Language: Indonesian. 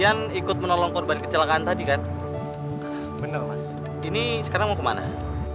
yaudah kalo gitu kami antar kamu ke rumah